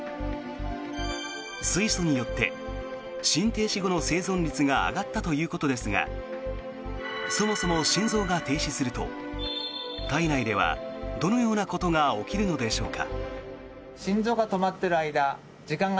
水素によって心停止後の生存率が上がったということですがそもそも心臓が停止すると体内ではどのようなことが起きるのでしょうか。